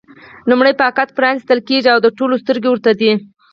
لومړی پاکټ پرانېستل کېږي او د ټولو سترګې ورته دي.